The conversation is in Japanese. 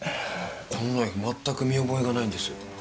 このナイフまったく見覚えがないんです。